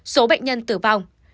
số bệnh nhân tử vong